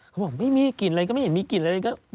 เขาบอกไม่มีกลิ่นอะไรก็ไม่เห็นมีกลิ่นอะไรก็